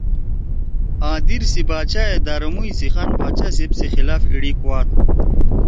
آ دیر سی باچا ئی داروموئی سی خان باچا صیب سی خلاف ایڈی کوات۔